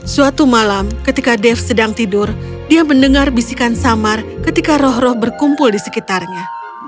suatu malam ketika dev sedang tidur dia mendengar bisikan samar ketika roh roh berkumpul di sekitarnya